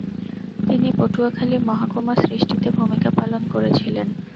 তিনি পটুয়াখালী মহকুমা সৃষ্টিতে ভূমিকা পালন করেছিলেন।